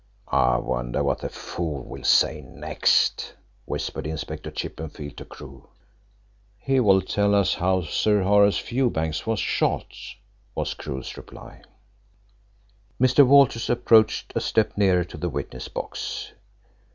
"I wonder what the fool will say next," whispered Inspector Chippenfield to Crewe. "He will tell us how Sir Horace Fewbanks was shot," was Crewe's reply. Mr. Walters approached a step nearer to the witness box.